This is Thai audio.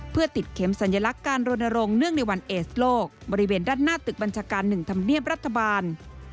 เพื่อติดเข็มสัญลักษณ์การรณรงคเนื่องในวันเอสโลกบริเวณด้านหน้าตึกบัญชาการ๑ธรรมเนียบรัฐบาล